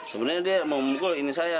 sebenarnya dia mau memukul ini saya